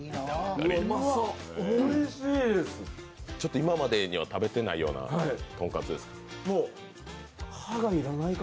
今までには食べてないようなとんかつですか？